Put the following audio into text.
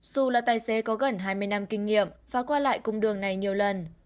dù là tài xế có gần hai mươi năm kinh nghiệm và qua lại cung đường này nhiều lần